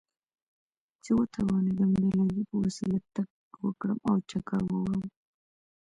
چې وتوانېدم د لرګي په وسیله تګ وکړم او چکر ووهم.